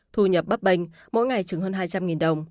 thu nhập bắp bệnh mỗi ngày chứng hơn hai trăm linh đồng